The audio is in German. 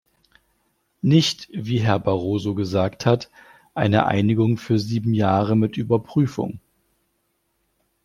Nicht, wie Herr Barroso gesagt hat, eine Einigung für sieben Jahre mit Überprüfung.